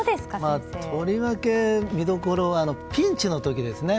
とりわけ、見どころはピンチの時ですね。